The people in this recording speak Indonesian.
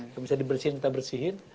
nggak bisa dibersihin kita bersihin